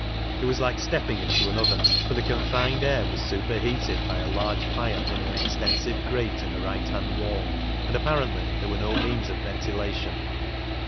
It was like stepping into an oven, for the confined air was superheated by a large fire in an extensive grate in the right hand wall, and apparently there were no means of ventilation.